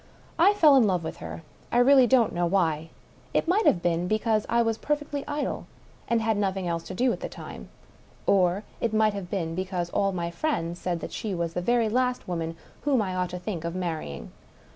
I fell in love with her — I really don't know why. It might have been because I was per fectly idle, and had nothing else to do at the time. Or it might have been because all my friends said she was the very last woman whom I ought to think of marrying.